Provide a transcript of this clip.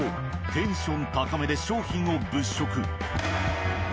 テンション高めで商品を物色。